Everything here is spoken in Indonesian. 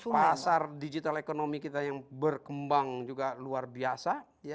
pasar digital ekonomi kita yang berkembang juga luar biasa